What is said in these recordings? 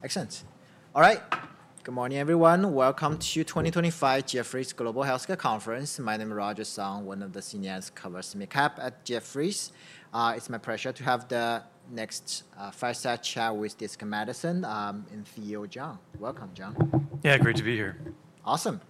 Excellent. All right. Good morning, everyone. Welcome to 2025 Jefferies Global Healthcare Conference. My name is Roger Song, one of the senior colleagues at Jefferies. It's my pleasure to have the next fireside chat with Disc Medicine in John. Welcome, John. Yeah, great to be here. Awesome.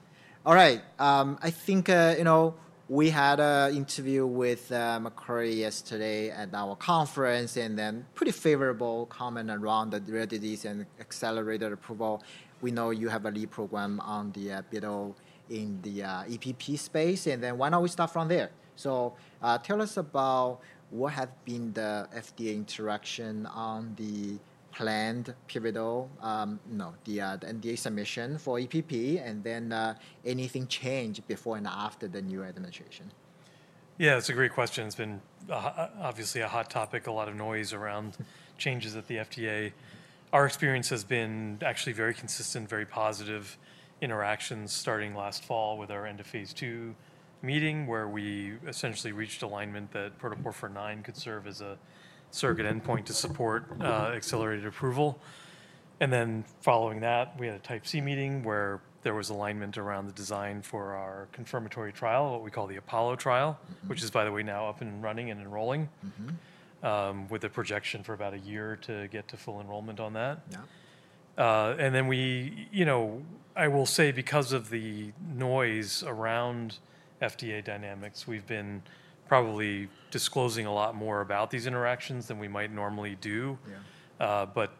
All right. I think, you know, we had an interview with McCurry yesterday at our conference, and then pretty favorable comment around the rare disease and accelerated approval. We know you have a lead program on the epidural in the EPP space. And then why don't we start from there? Tell us about what has been the FDA interaction on the planned epidural, no, the NDA submission for EPP, and then anything changed before and after the new administration? Yeah, that's a great question. It's been obviously a hot topic, a lot of noise around changes at the FDA. Our experience has been actually very consistent, very positive interactions starting last fall with our end of phase two meeting, where we essentially reached alignment that protoporphyrin IX could serve as a surrogate endpoint to support accelerated approval. Following that, we had a type C meeting where there was alignment around the design for our confirmatory trial, what we call the APOLLO trial, which is, by the way, now up and running and enrolling, with a projection for about a year to get to full enrollment on that. I will say because of the noise around FDA dynamics, we've been probably disclosing a lot more about these interactions than we might normally do.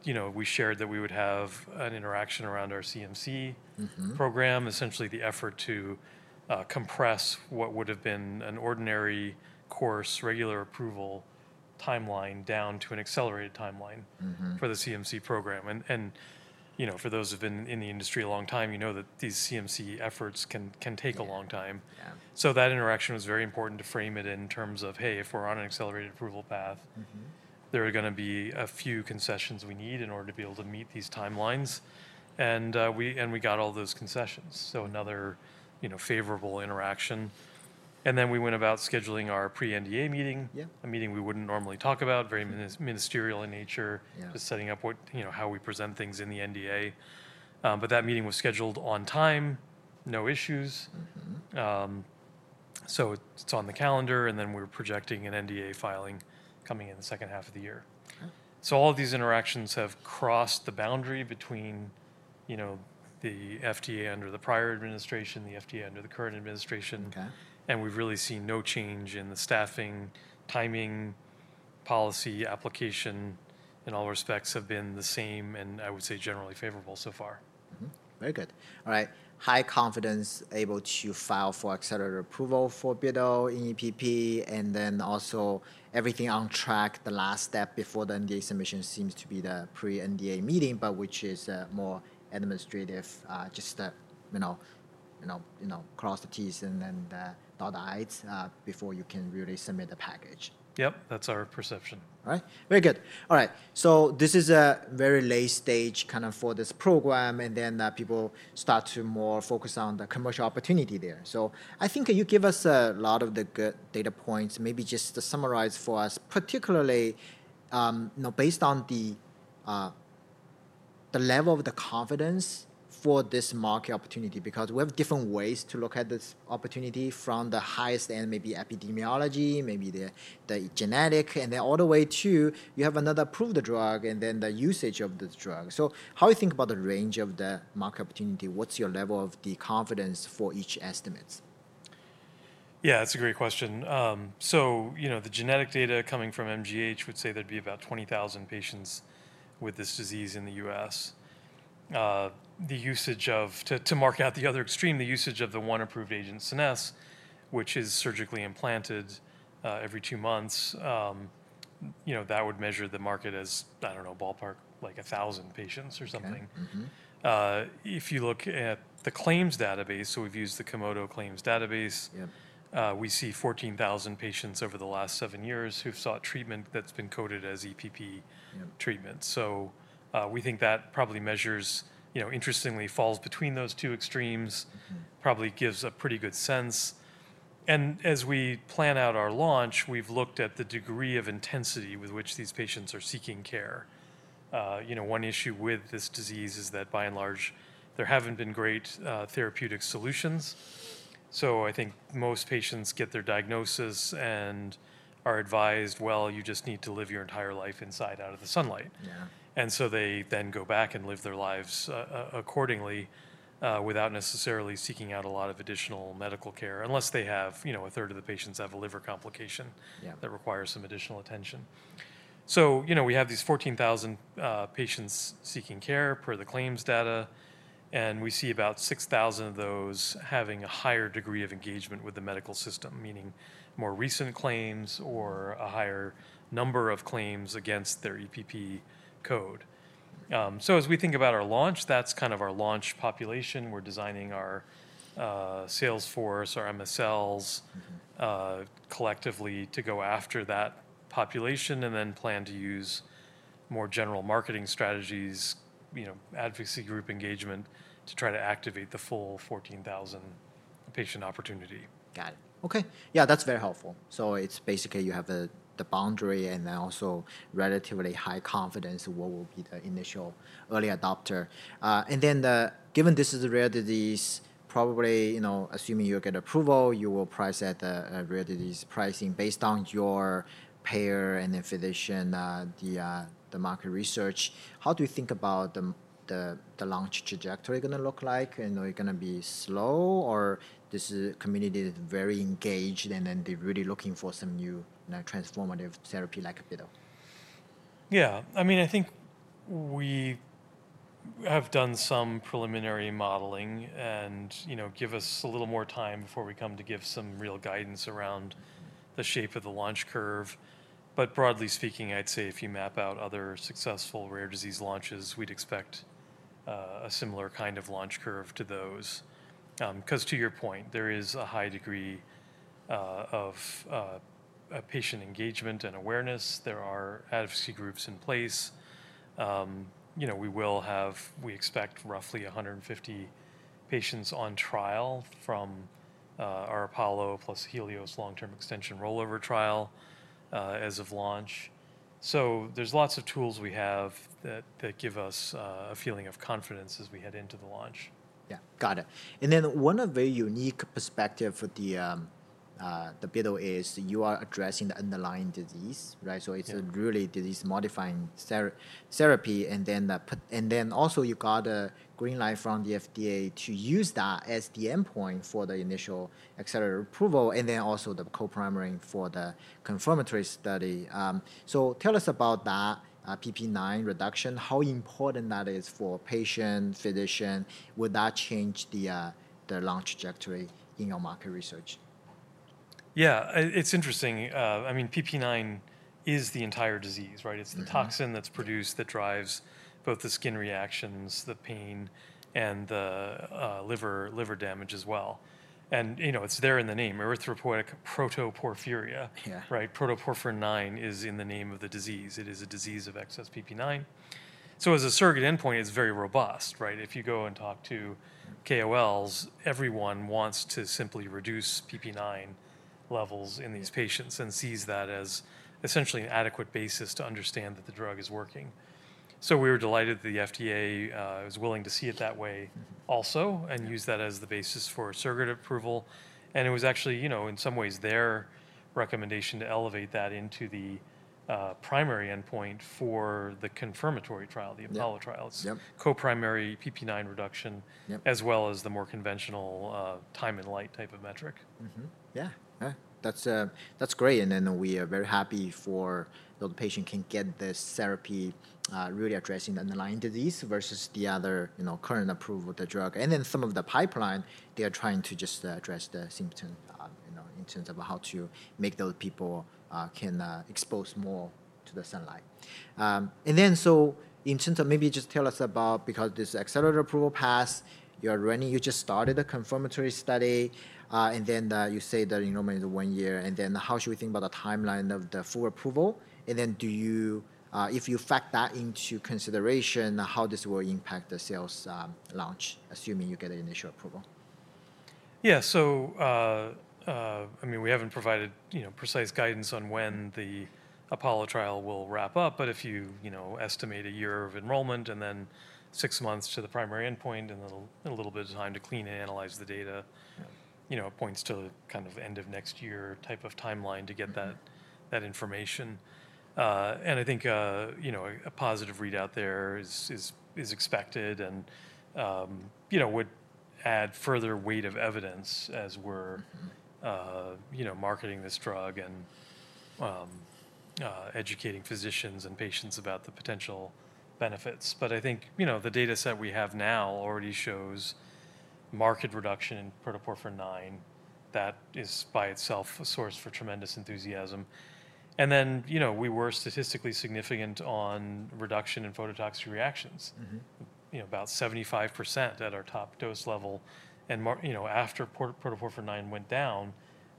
You know, we shared that we would have an interaction around our CMC program, essentially the effort to compress what would have been an ordinary course, regular approval timeline down to an accelerated timeline for the CMC program. You know, for those who have been in the industry a long time, you know that these CMC efforts can take a long time. That interaction was very important to frame it in terms of, hey, if we're on an accelerated approval path, there are going to be a few concessions we need in order to be able to meet these timelines. We got all those concessions. Another favorable interaction. We went about scheduling our pre-NDA meeting, a meeting we wouldn't normally talk about, very ministerial in nature, just setting up how we present things in the NDA. That meeting was scheduled on time, no issues. It is on the calendar. We are projecting an NDA filing coming in the second half of the year. All of these interactions have crossed the boundary between the FDA under the prior administration and the FDA under the current administration. We have really seen no change in the staffing, timing, policy, application in all respects have been the same, and I would say generally favorable so far. Very good. All right. High confidence, able to file for accelerated approval for bitopertin EPP, and then also everything on track, the last step before the NDA submission seems to be the pre-NDA meeting, which is more administrative, just, you know, cross the t's and then dot the i's before you can really submit the package. Yep, that's our perception. All right. Very good. All right. This is a very late stage kind of for this program, and then people start to more focus on the commercial opportunity there. I think you give us a lot of the good data points, maybe just to summarize for us, particularly based on the level of the confidence for this market opportunity, because we have different ways to look at this opportunity from the highest end, maybe epidemiology, maybe the genetic, and then all the way to you have another approved drug and then the usage of the drug. How do you think about the range of the market opportunity? What's your level of the confidence for each estimates? Yeah, that's a great question. You know, the genetic data coming from MGH would say there'd be about 20,000 patients with this disease in the U.S. The usage of, to mark out the other extreme, the usage of the one approved agent, Scenesse, which is surgically implanted every two months, you know, that would measure the market as, I don't know, ballpark like 1,000 patients or something. If you look at the claims database, so we've used the Komodo claims database, we see 14,000 patients over the last seven years who've sought treatment that's been coded as EPP treatment. We think that probably measures, you know, interestingly falls between those two extremes, probably gives a pretty good sense. As we plan out our launch, we've looked at the degree of intensity with which these patients are seeking care. You know, one issue with this disease is that by and large, there haven't been great therapeutic solutions. I think most patients get their diagnosis and are advised, well, you just need to live your entire life inside out of the sunlight. They then go back and live their lives accordingly without necessarily seeking out a lot of additional medical care, unless they have, you know, a third of the patients have a liver complication that requires some additional attention. We have these 14,000 patients seeking care per the claims data, and we see about 6,000 of those having a higher degree of engagement with the medical system, meaning more recent claims or a higher number of claims against their EPP code. As we think about our launch, that's kind of our launch population. We're designing our sales force, our MSLs collectively to go after that population and then plan to use more general marketing strategies, you know, advocacy group engagement to try to activate the full 14,000 patient opportunity. Got it. Okay. Yeah, that's very helpful. So it's basically you have the boundary and then also relatively high confidence of what will be the initial early adopter. And then given this is a rare disease, probably, you know, assuming you'll get approval, you will price at a rare disease pricing based on your payer and then physician, the market research. How do you think about the launch trajectory going to look like? Are you going to be slow or this community is very engaged and then they're really looking for some new transformative therapy like epidural? Yeah, I mean, I think we have done some preliminary modeling and, you know, give us a little more time before we come to give some real guidance around the shape of the launch curve. Broadly speaking, I'd say if you map out other successful rare disease launches, we'd expect a similar kind of launch curve to those. Because to your point, there is a high degree of patient engagement and awareness. There are advocacy groups in place. You know, we will have, we expect roughly 150 patients on trial from our APOLLO + Helios long-term extension rollover trial as of launch. There are lots of tools we have that give us a feeling of confidence as we head into the launch. Yeah, got it. One of the unique perspectives for the epidural is you are addressing the underlying disease, right? It is really disease-modifying therapy. You got a green light from the FDA to use that as the endpoint for the initial accelerated approval and also the co-primary for the confirmatory study. Tell us about that PPIX reduction, how important that is for patients, physicians, would that change the launch trajectory in your market research? Yeah, it's interesting. I mean, PPIX is the entire disease, right? It's the toxin that's produced that drives both the skin reactions, the pain, and the liver damage as well. You know, it's there in the name, Erythropoietic protoporphyria, right? Protoporphyrin IX is in the name of the disease. It is a disease of excess PPIX. As a surrogate endpoint, it's very robust, right? If you go and talk to KOLs, everyone wants to simply reduce PPIX levels in these patients and sees that as essentially an adequate basis to understand that the drug is working. We were delighted that the FDA was willing to see it that way also and use that as the basis for surrogate approval. It was actually, you know, in some ways their recommendation to elevate that into the primary endpoint for the confirmatory trial, the APOLLO trial's co-primary PPIX reduction, as well as the more conventional time in light type of metric. Yeah, that's great. We are very happy for the patient can get this therapy really addressing the underlying disease versus the other current approval of the drug. Some of the pipeline, they are trying to just address the symptoms in terms of how to make those people can expose more to the sunlight. In terms of maybe just tell us about, because this accelerated approval passed, you're running, you just started a confirmatory study, and then you say that you normally do one year. How should we think about the timeline of the full approval? Do you, if you factor that into consideration, how this will impact the sales launch, assuming you get an initial approval? Yeah, so I mean, we haven't provided, you know, precise guidance on when the APOLLO trial will wrap up, but if you, you know, estimate a year of enrollment and then six months to the primary endpoint and a little bit of time to clean and analyze the data, you know, it points to kind of end of next year type of timeline to get that information. I think, you know, a positive readout there is expected and, you know, would add further weight of evidence as we're, you know, marketing this drug and educating physicians and patients about the potential benefits. I think, you know, the data set we have now already shows marked reduction in protoporphyrin IX. That is by itself a source for tremendous enthusiasm. You know, we were statistically significant on reduction in phototoxic reactions, you know, about 75% at our top dose level. You know, after protoporphyrin IX went down,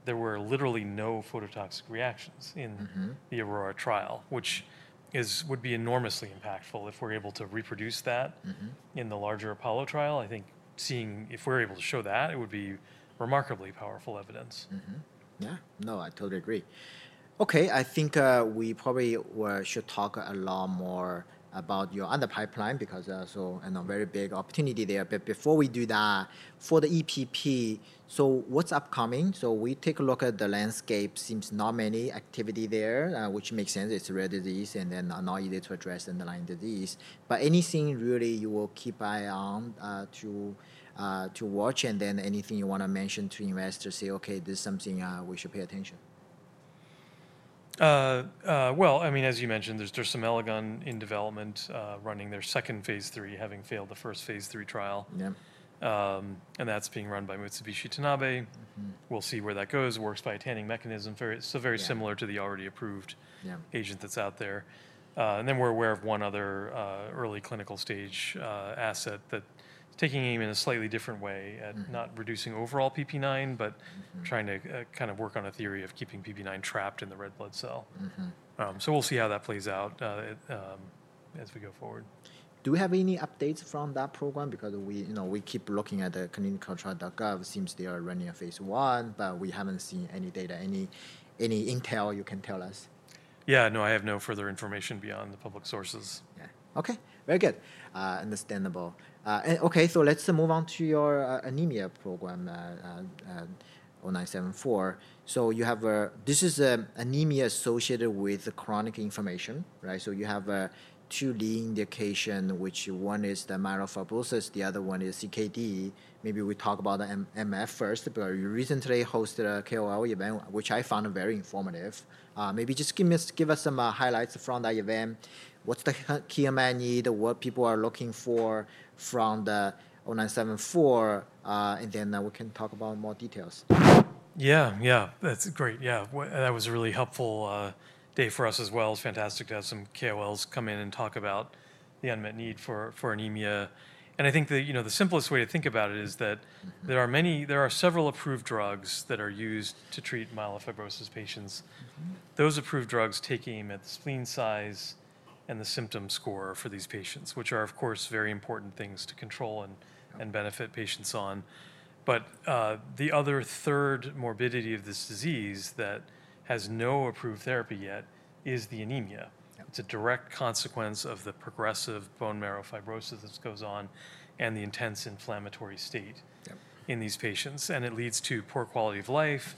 there were literally no phototoxic reactions in the Aurora trial, which would be enormously impactful if we're able to reproduce that in the larger APOLLO trial. I think seeing if we're able to show that, it would be remarkably powerful evidence. Yeah, no, I totally agree. Okay, I think we probably should talk a lot more about your other pipeline because there's also a very big opportunity there. Before we do that, for the EPP, what's upcoming? We take a look at the landscape, seems not many activity there, which makes sense. It's a rare disease and not easy to address underlying disease. Anything really you will keep eye on to watch? Anything you want to mention to investors to say, okay, this is something we should pay attention? I mean, as you mentioned, there's some dersimelagon in development running their second phase three, having failed the first phase three trial. That is being run by Mitsubishi Tanabe. We'll see where that goes. Works by a tanning mechanism, so very similar to the already approved agent that's out there. We're aware of one other early clinical stage asset that's taking aim in a slightly different way at not reducing overall PPIX, but trying to kind of work on a theory of keeping PPIX trapped in the red blood cell. We'll see how that plays out as we go forward. Do we have any updates from that program? Because we, you know, we keep looking at the clinicaltrials.gov. It seems they are running a phase one, but we haven't seen any data, any intel you can tell us? Yeah, no, I have no further information beyond the public sources. Yeah, okay, very good. Understandable. Okay, so let's move on to your anemia program, 0974. So you have a, this is anemia associated with chronic inflammation, right? So you have two lead indications, which one is the myelofibrosis, the other one is CKD. Maybe we talk about the MF first, but you recently hosted a KOL event, which I found very informative. Maybe just give us some highlights from that event. What's the key MF need, what people are looking for from the 0974, and then we can talk about more details. Yeah, yeah, that's great. Yeah, that was a really helpful day for us as well. It's fantastic to have some KOLs come in and talk about the unmet need for anemia. I think that, you know, the simplest way to think about it is that there are many, there are several approved drugs that are used to treat myelofibrosis patients. Those approved drugs take aim at the spleen size and the symptom score for these patients, which are of course very important things to control and benefit patients on. The other third morbidity of this disease that has no approved therapy yet is the anemia. It's a direct consequence of the progressive bone marrow fibrosis that goes on and the intense inflammatory state in these patients. It leads to poor quality of life.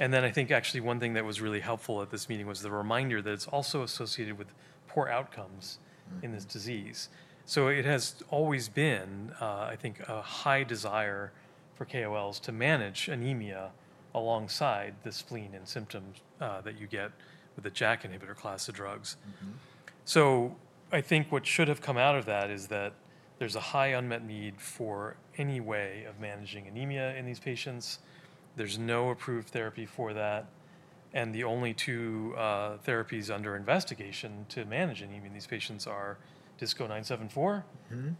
I think actually one thing that was really helpful at this meeting was the reminder that it's also associated with poor outcomes in this disease. It has always been, I think, a high desire for KOLs to manage anemia alongside the spleen and symptoms that you get with the JAK inhibitor class of drugs. I think what should have come out of that is that there's a high unmet need for any way of managing anemia in these patients. There's no approved therapy for that. The only two therapies under investigation to manage anemia in these patients are DISC-0974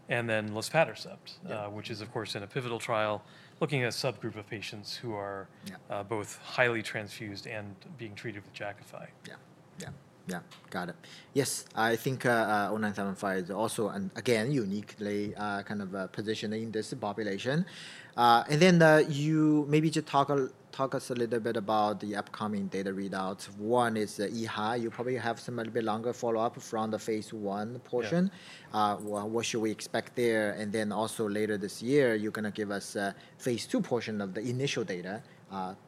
and then luspatercept, which is of course in a pivotal trial looking at a subgroup of patients who are both highly transfused and being treated with Jakafi. Yeah, got it. Yes, I think 0975 is also again uniquely kind of positioned in this population. Then you maybe just talk us a little bit about the upcoming data readouts. One is the EHI, you probably have some a little bit longer follow-up from the phase one portion. What should we expect there? Then also later this year, you're going to give us a phase two portion of the initial data,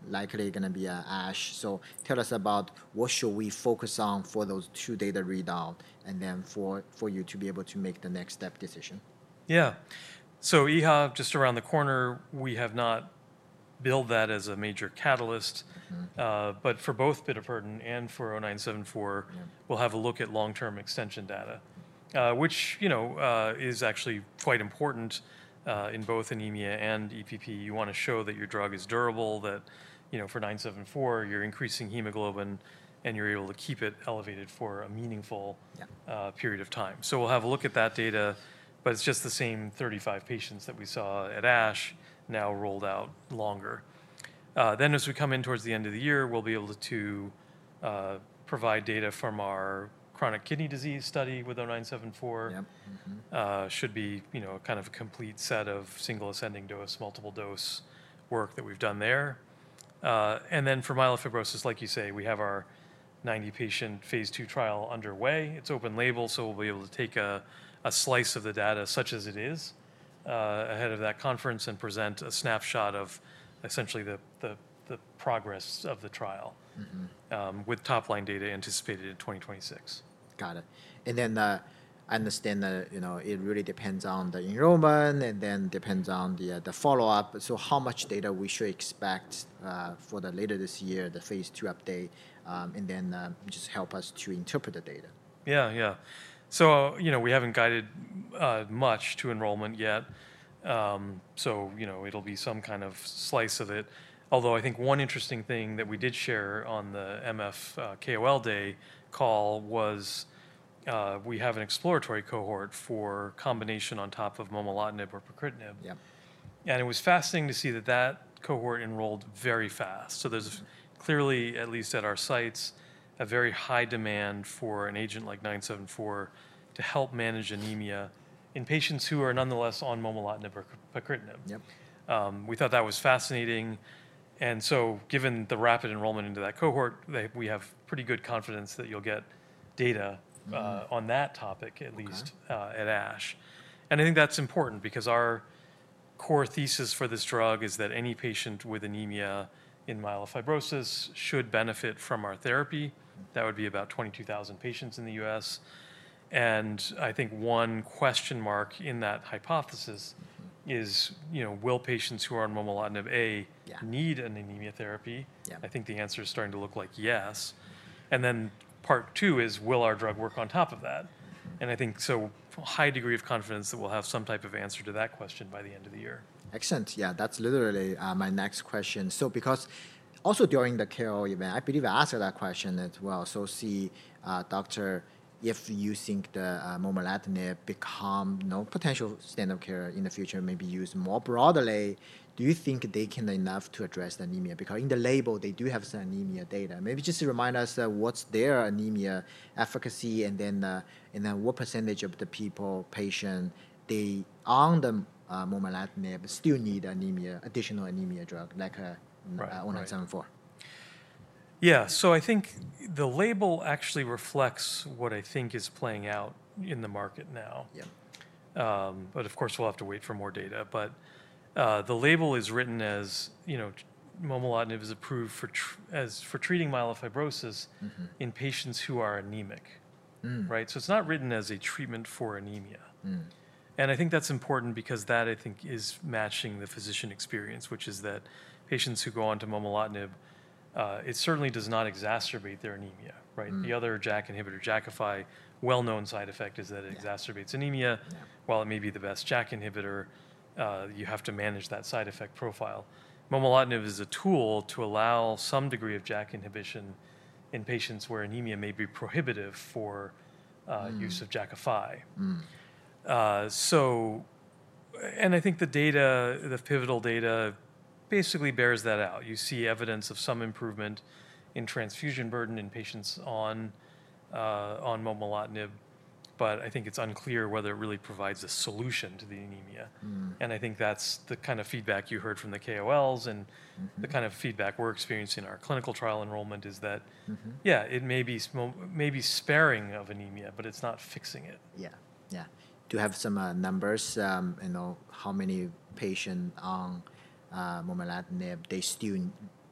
likely going to be ASH. Tell us about what should we focus on for those two data readouts and then for you to be able to make the next step decision. Yeah, so EHI just around the corner, we have not billed that as a major catalyst. But for both bitopagen and for 0974, we'll have a look at long-term extension data, which, you know, is actually quite important in both anemia and EPP. You want to show that your drug is durable, that, you know, for 0974, you're increasing hemoglobin and you're able to keep it elevated for a meaningful period of time. We'll have a look at that data, but it's just the same 35 patients that we saw at ASH now rolled out longer. As we come in towards the end of the year, we'll be able to provide data from our chronic kidney disease study with 0974. Should be, you know, kind of a complete set of single ascending dose, multiple dose work that we've done there. For myelofibrosis, like you say, we have our 90-patient phase two trial underway. It is open label, so we will be able to take a slice of the data such as it is ahead of that conference and present a snapshot of essentially the progress of the trial with top-line data anticipated in 2026. Got it. I understand that, you know, it really depends on the enrollment and then depends on the follow-up. How much data should we expect for later this year, the phase two update, and then just help us to interpret the data. Yeah, yeah. So, you know, we haven't guided much to enrollment yet. You know, it'll be some kind of slice of it. Although I think one interesting thing that we did share on the MF KOL day call was we have an exploratory cohort for combination on top of momelotinib or pacritinib. It was fascinating to see that that cohort enrolled very fast. There is clearly, at least at our sites, a very high demand for an agent like 0974 to help manage anemia in patients who are nonetheless on momelotinib or pacritinib. We thought that was fascinating. Given the rapid enrollment into that cohort, we have pretty good confidence that you'll get data on that topic, at least at ASH. I think that's important because our core thesis for this drug is that any patient with anemia in myelofibrosis should benefit from our therapy. That would be about 22,000 patients in the U.S. I think one question mark in that hypothesis is, you know, will patients who are on momelotinib need an anemia therapy? I think the answer is starting to look like yes. Part two is, will our drug work on top of that? I think a high degree of confidence that we'll have some type of answer to that question by the end of the year. Excellent. Yeah, that's literally my next question. Because also during the KOL event, I believe I asked that question as well. See, doctor, if you think the momelotinib become, you know, potential standard of care in the future, maybe used more broadly, do you think they can enough to address the anemia? Because in the label, they do have some anemia data. Maybe just remind us what's their anemia efficacy and then what percentage of the people, patients, they on the momelotinib still need anemia, additional anemia drug like 0974. Yeah, so I think the label actually reflects what I think is playing out in the market now. Of course, we'll have to wait for more data. The label is written as, you know, momelotinib is approved for treating myelofibrosis in patients who are anemic, right? It's not written as a treatment for anemia. I think that's important because that, I think, is matching the physician experience, which is that patients who go on to momelotinib, it certainly does not exacerbate their anemia, right? The other JAK inhibitor, Jakafi, well-known side effect is that it exacerbates anemia. While it may be the best JAK inhibitor, you have to manage that side effect profile. Momelotinib is a tool to allow some degree of JAK inhibition in patients where anemia may be prohibitive for use of Jakafi. I think the data, the pivotal data basically bears that out. You see evidence of some improvement in transfusion burden in patients on momelotinib, but I think it's unclear whether it really provides a solution to the anemia. I think that's the kind of feedback you heard from the KOLs and the kind of feedback we're experiencing in our clinical trial enrollment is that, yeah, it may be sparing of anemia, but it's not fixing it. Yeah, yeah. Do you have some numbers, you know, how many patients on momelotinib, they still,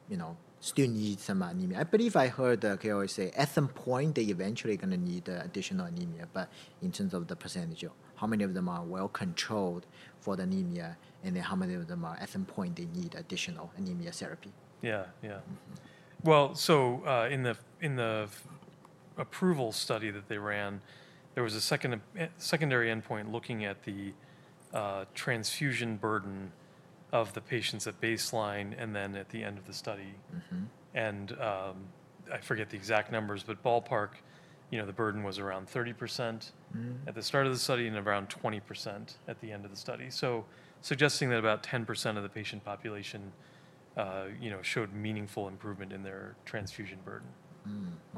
you know, still need some anemia? I believe I heard the KOL say at some point they eventually are going to need additional anemia, but in terms of the percentage, how many of them are well controlled for the anemia and then how many of them are at some point they need additional anemia therapy? Yeah, yeah. In the approval study that they ran, there was a secondary endpoint looking at the transfusion burden of the patients at baseline and then at the end of the study. I forget the exact numbers, but ballpark, you know, the burden was around 30% at the start of the study and around 20% at the end of the study. Suggesting that about 10% of the patient population, you know, showed meaningful improvement in their transfusion burden.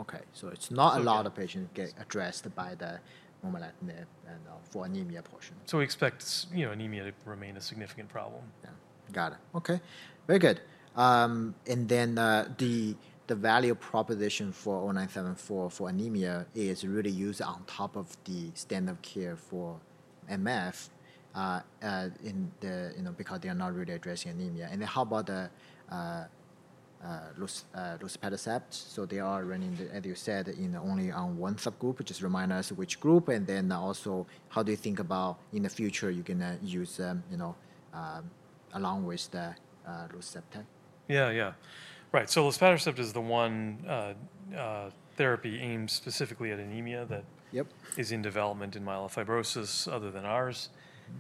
Okay, so it's not a lot of patients get addressed by the momelotinib and for anemia portion. We expect, you know, anemia to remain a significant problem. Yeah, got it. Okay, very good. The value proposition for 0974 for anemia is really used on top of the standard of care for MF because they are not really addressing anemia. How about the luspatercept? They are running, as you said, only on one subgroup, just remind us which group. Also, how do you think about in the future you're going to use, you know, along with the luspatercept? Yeah, yeah. Right, so luspatercept is the one therapy aimed specifically at anemia that is in development in myelofibrosis other than ours.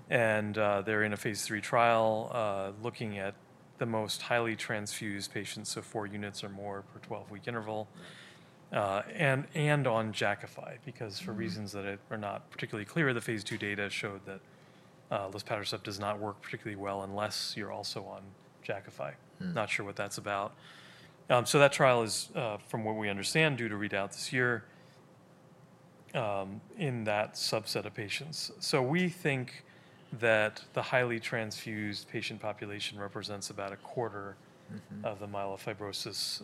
They're in a phase three trial looking at the most highly transfused patients, so four units or more per 12-week interval. On Jakafi, because for reasons that are not particularly clear, the phase two data showed that luspatercept does not work particularly well unless you're also on Jakafi. Not sure what that's about. That trial is, from what we understand, due to readout this year in that subset of patients. We think that the highly transfused patient population represents about a quarter of the myelofibrosis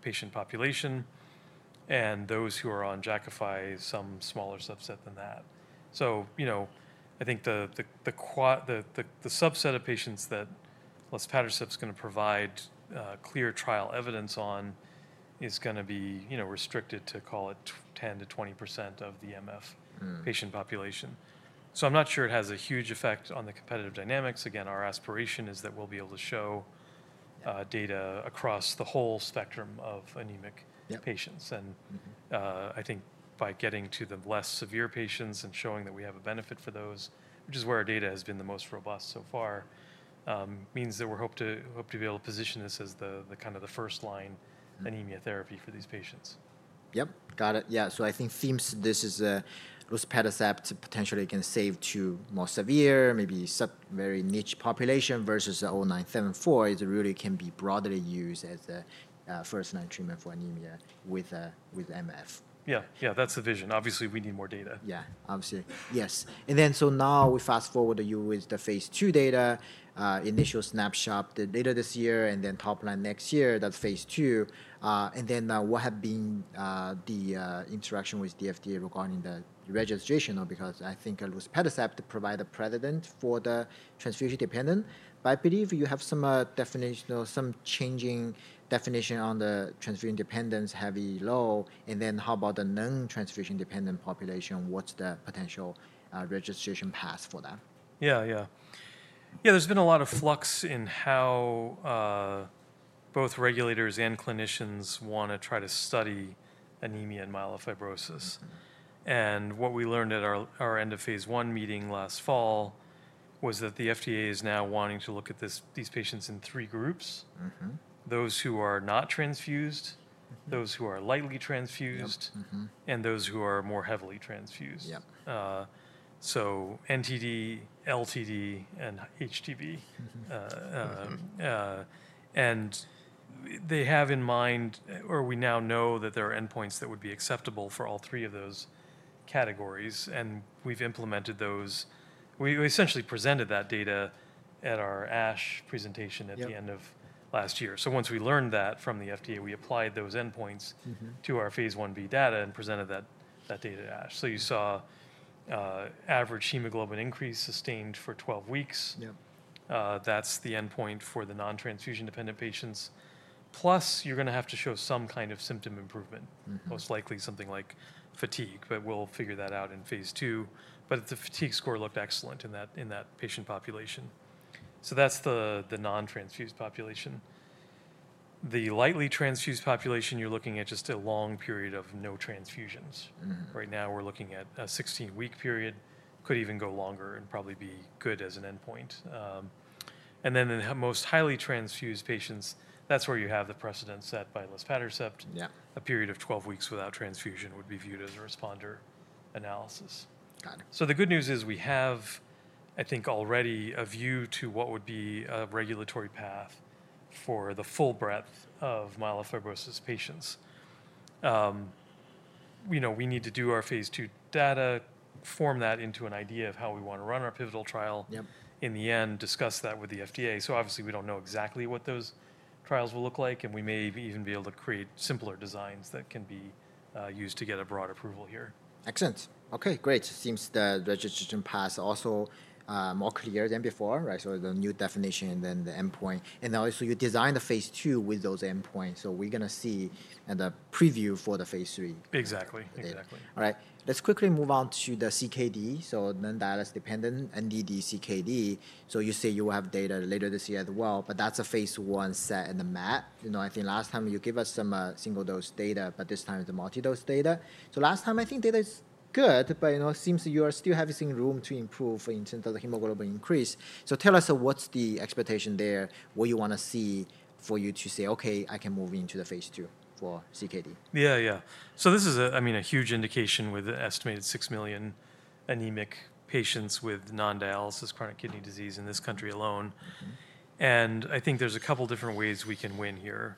patient population and those who are on Jakafi, some smaller subset than that. You know, I think the subset of patients that Luspatercept is going to provide clear trial evidence on is going to be, you know, restricted to, call it, 10-20% of the MF patient population. I'm not sure it has a huge effect on the competitive dynamics. Again, our aspiration is that we'll be able to show data across the whole spectrum of anemic patients. I think by getting to the less severe patients and showing that we have a benefit for those, which is where our data has been the most robust so far, means that we're hoping to be able to position this as the kind of the first line anemia therapy for these patients. Yep, got it. Yeah, so I think seems this is a Luspatercept potentially can save to more severe, maybe very niche population versus the 0974 is really can be broadly used as a first-line treatment for anemia with MF. Yeah, yeah, that's the vision. Obviously, we need more data. Yeah, obviously. Yes. And then so now we fast forward to you with the phase two data, initial snapshot, the data this year and then top-line next year, that's phase two. And then what have been the interaction with FDA regarding the registration? Because I think luspatercept provides a precedent for the transfusion dependent. But I believe you have some definition, some changing definition on the transfusion dependence, heavy, low. And then how about the non-transfusion dependent population? What's the potential registration path for that? Yeah, yeah. Yeah, there's been a lot of flux in how both regulators and clinicians want to try to study anemia and myelofibrosis. What we learned at our end of phase one meeting last fall was that the FDA is now wanting to look at these patients in three groups: those who are not transfused, those who are lightly transfused, and those who are more heavily transfused. So NTD, LTD, and HTD. They have in mind, or we now know that there are endpoints that would be acceptable for all three of those categories. We've implemented those. We essentially presented that data at our ASH presentation at the end of last year. Once we learned that from the FDA, we applied those endpoints to our phase one B data and presented that data to ASH. You saw average hemoglobin increase sustained for 12 weeks. That's the endpoint for the non-transfusion dependent patients. Plus, you're going to have to show some kind of symptom improvement, most likely something like fatigue, but we'll figure that out in phase two. But the fatigue score looked excellent in that patient population. So that's the non-transfused population. The lightly transfused population, you're looking at just a long period of no transfusions. Right now, we're looking at a 16-week period, could even go longer and probably be good as an endpoint. And then in the most highly transfused patients, that's where you have the precedent set by Luspatercept. A period of 12 weeks without transfusion would be viewed as a responder analysis. So the good news is we have, I think, already a view to what would be a regulatory path for the full breadth of myelofibrosis patients. You know, we need to do our phase two data, form that into an idea of how we want to run our pivotal trial. In the end, discuss that with the FDA. Obviously, we do not know exactly what those trials will look like, and we may even be able to create simpler designs that can be used to get a broad approval here. Excellent. Okay, great. It seems the registration path is also more clear than before, right? The new definition and then the endpoint. You designed the phase two with those endpoints. We're going to see the preview for the phase three. Exactly, exactly. All right. Let's quickly move on to the CKD. Non-dialysis dependent, NDD, CKD. You say you will have data later this year as well, but that's a phase one set in the map. You know, I think last time you gave us some single dose data, but this time it's a multi-dose data. Last time, I think data is good, but you know, it seems you are still having room to improve in terms of the hemoglobin increase. Tell us what's the expectation there, what you want to see for you to say, okay, I can move into the phase two for CKD. Yeah, yeah. This is a, I mean, a huge indication with an estimated six million anemic patients with non-dialysis chronic kidney disease in this country alone. I think there's a couple different ways we can win here.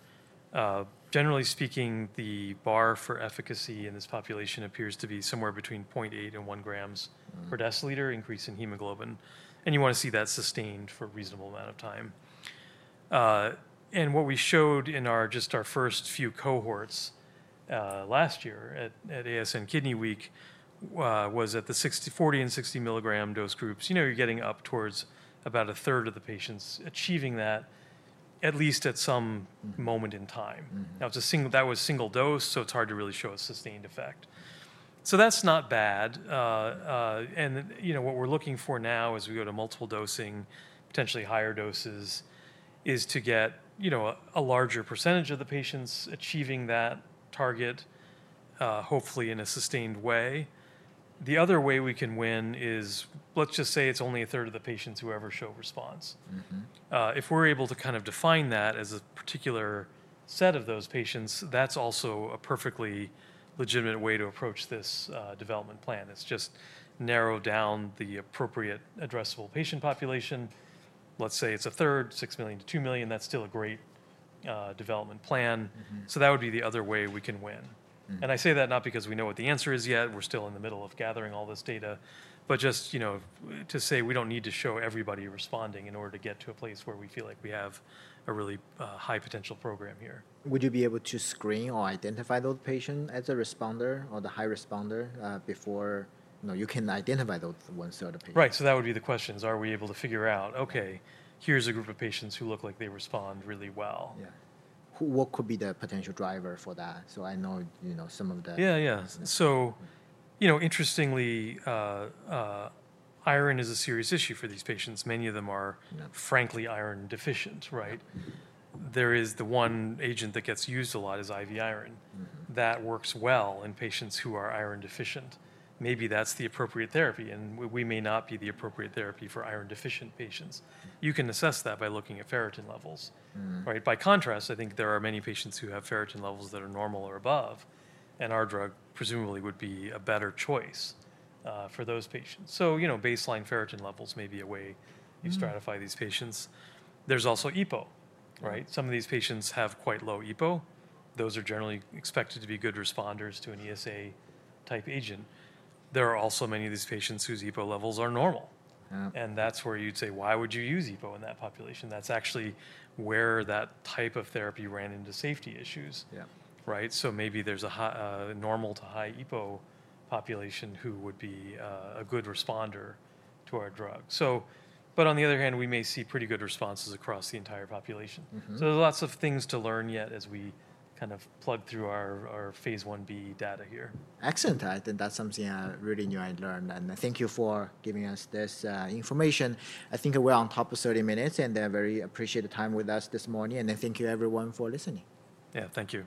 Generally speaking, the bar for efficacy in this population appears to be somewhere between 0.8 and 1 grams per deciliter increase in hemoglobin. You want to see that sustained for a reasonable amount of time. What we showed in just our first few cohorts last year at ASN Kidney Week was at the 40 and 60 milligram dose groups, you know, you're getting up towards about a third of the patients achieving that at least at some moment in time. That was single dose, so it's hard to really show a sustained effect. That's not bad. You know, what we're looking for now as we go to multiple dosing, potentially higher doses, is to get, you know, a larger percentage of the patients achieving that target, hopefully in a sustained way. The other way we can win is let's just say it's only a third of the patients who ever show response. If we're able to kind of define that as a particular set of those patients, that's also a perfectly legitimate way to approach this development plan. It's just narrow down the appropriate addressable patient population. Let's say it's a third, six million to two million, that's still a great development plan. That would be the other way we can win. I say that not because we know what the answer is yet, we're still in the middle of gathering all this data, but just, you know, to say we don't need to show everybody responding in order to get to a place where we feel like we have a really high potential program here. Would you be able to screen or identify those patients as a responder or a high responder before, you know, you can identify those ones that are the patients? Right, so that would be the questions. Are we able to figure out, okay, here's a group of patients who look like they respond really well? Yeah. What could be the potential driver for that? I know, you know, some of the... Yeah, yeah. So, you know, interestingly, iron is a serious issue for these patients. Many of them are frankly iron deficient, right? There is the one agent that gets used a lot is IV iron that works well in patients who are iron deficient. Maybe that's the appropriate therapy, and we may not be the appropriate therapy for iron deficient patients. You can assess that by looking at ferritin levels, right? By contrast, I think there are many patients who have ferritin levels that are normal or above, and our drug presumably would be a better choice for those patients. So, you know, baseline ferritin levels may be a way you stratify these patients. There's also EPO, right? Some of these patients have quite low EPO. Those are generally expected to be good responders to an ESA type agent. There are also many of these patients whose EPO levels are normal. That is where you'd say, why would you use EPO in that population? That is actually where that type of therapy ran into safety issues, right? Maybe there is a normal to high EPO population who would be a good responder to our drug. On the other hand, we may see pretty good responses across the entire population. There are lots of things to learn yet as we kind of plug through our phase one B data here. Excellent. I think that's something I really knew I learned. Thank you for giving us this information. I think we're on top of 30 minutes, and I very appreciate the time with us this morning. I thank you everyone for listening. Yeah, thank you.